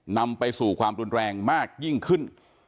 นำไปสู่ความรุนแรงมากยิ่งขึ้น